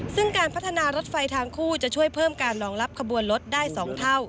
ซึ่งการพัฒนารถไฟทางคู่จะช่วยเพิ่มการรองรับขบวนรถได้๒เท่า